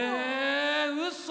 うそ。